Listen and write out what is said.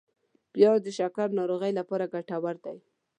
پیاز د شکر ناروغۍ لپاره ګټور دی